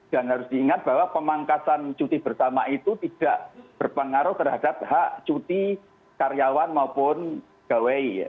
dan harus diingat bahwa pemangkasan cuti bersama itu tidak berpengaruh terhadap hak cuti karyawan maupun gawe